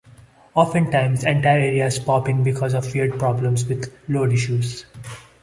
Oftentimes, entire areas pop in because of weird problems with load issues.